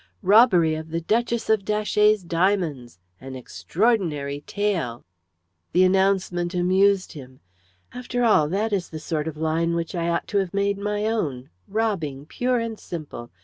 "ROBBERY OF THE DUCHESS OF DATCHET'S DIAMONDS! "AN EXTRAORDINARY TALE." The announcement amused him. "After all that is the sort of line which I ought to have made my own robbing pure and simple.